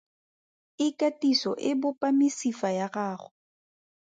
Ikatiso e bopa mesifa ya gago.